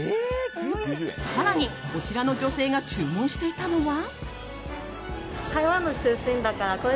更に、こちらの女性が注文していたのは。